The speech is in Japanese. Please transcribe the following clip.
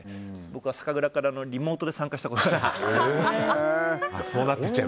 僕は酒蔵からリモートで参加したことあります。